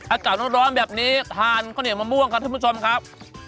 อากาศร้อนแบบนี้ทานข้าวเหนียวมะม่วงครับท่านผู้ชมครับ